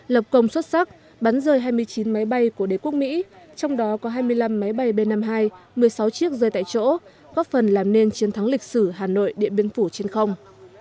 lập công xuất sắc bắn rơi hai mươi chín máy bay của đế quốc mỹ trong đó có hai mươi năm máy bay b năm mươi hai một mươi sáu chiếc rơi tại chỗ góp phần làm nên chiến thắng lịch sử hà nội điện biên phủ trên không